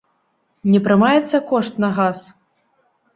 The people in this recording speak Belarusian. Не прымаецца кошт на газ?